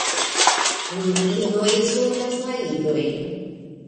Nur inoj zorgas la idojn.